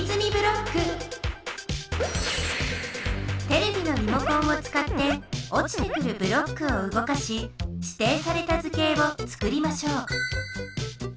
テレビのリモコンを使っておちてくるブロックをうごかししていされた図形をつくりましょう。